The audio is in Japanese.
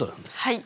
はい。